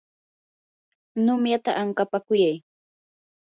numyata ankapakuyay.